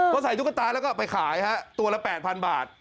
ก็ใส่ตุ๊กตาแล้วก็ไปขายฮะตัวละ๘๐๐๐บาท